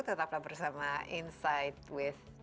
tetaplah bersama insight with